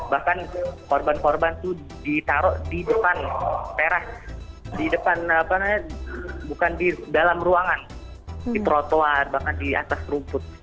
bahkan korban korban itu ditaruh di depan perak di depan bukan di dalam ruangan di trotoar bahkan di atas rumput